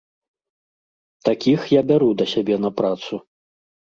Такіх я бяру да сябе на працу.